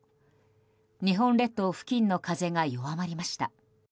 日本列島付近の風が弱まりました。